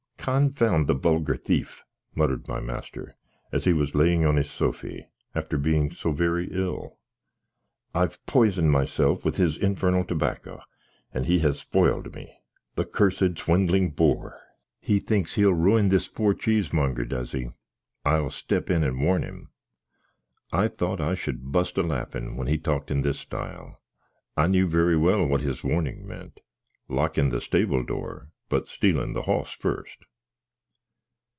"Confound the vulgar thief!" muttard my master, as he was laying on his sophy, after being so very ill; "I've poisoned myself with his infernal tobacco, and he has foiled me. The cursed swindling boor! he thinks he'll ruin this poor cheesemonger, does he? I'll step in, and warn him." I thought I should bust a laffin, when he talked in this style. I knew very well what his "warning" meant, lockin the stable door, but stealin the boss fust.